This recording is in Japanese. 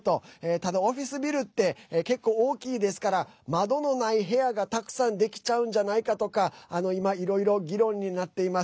ただオフィスビルって結構、大きいですから窓のない部屋がたくさんできちゃうんじゃないかとか今いろいろ議論になっています。